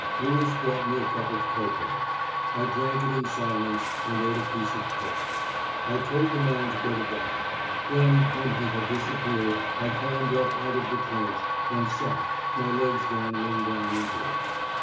Lewis brought me a cup of cocoa. I drank it in silence, and ate a piece of cake. I told the man to go to bed. Then, when he had disappeared, I climbed up out of the trench, and sat, my legs dangling down into it.